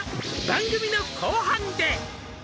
「番組の後半で！」